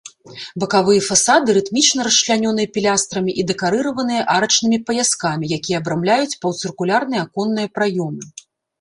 Бакавыя фасады рытмічна расчлянёныя пілястрамі і дэкарыраваныя арачнымі паяскамі, якія абрамляюць паўцыркульныя аконныя праёмы.